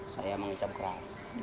saya mengucap keras